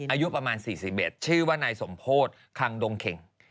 อายุประมาณ๔๑ชื่อว่านายสมโพธิคคังดงเข่ง